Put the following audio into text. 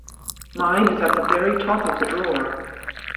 Mine is at the very top of the drawer.